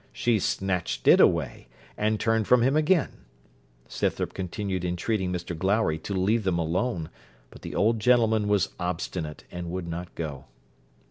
She snatched it away, and turned from him again. Scythrop continued entreating Mr Glowry to leave them alone; but the old gentleman was obstinate, and would not go.